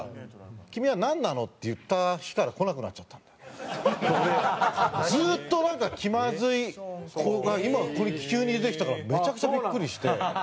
「君はなんなの？」って言った日からずっとなんか気まずい子が今ここに急に出てきたからめちゃくちゃビックリして。